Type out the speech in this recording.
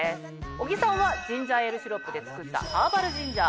小木さんはジンジャーエールシロップで作ったハーバル・ジンジャー。